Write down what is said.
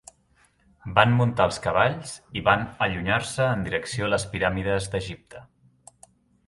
Van muntar els cavalls i van allunyar-se en direcció a les piràmides d'Egipte.